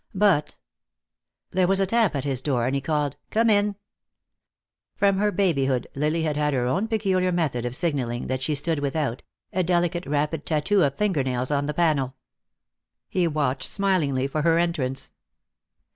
But There was a tap at his door, and he called "Come in." From her babyhood Lily had had her own peculiar method of signaling that she stood without, a delicate rapid tattoo of finger nails on the panel. He watched smilingly for her entrance.